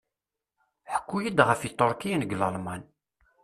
Ḥku-yi-d f Iturkiyen g Lalman.